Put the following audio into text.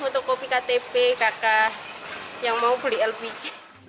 toko piktp kakak yang mau beli lpg